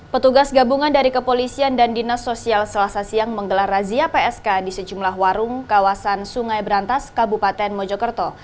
petugas gabungan dari kepolisian dan dinas sosial selasa siang menggelar razia psk di sejumlah warung kawasan sungai berantas kabupaten mojokerto